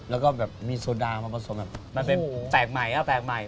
แล้วก็แบบมีโซดามาผสมแบบมันเป็นแปลกใหม่แปลกใหม่